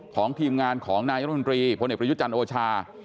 ของทีมงานของนายรัฐมนตรีพเปริยุจันทร์โอชา